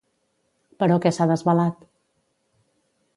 Però què s'ha desvelat?